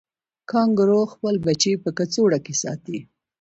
کانګارو خپل بچی په کڅوړه کې ساتي